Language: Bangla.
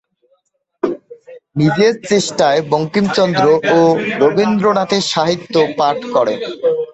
নিজের চেষ্টায় বঙ্কিমচন্দ্র ও রবীন্দ্রনাথের সাহিত্য পাঠ করেন।